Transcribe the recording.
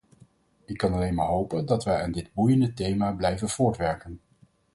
Ik kan alleen maar hopen dat wij aan dit boeiende thema blijven voortwerken.